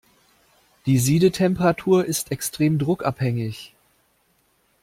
Die Siedetemperatur ist extrem druckabhängig.